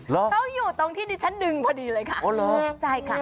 เขาอยู่ตรงที่ดิฉันดึงพอดีเลยค่ะ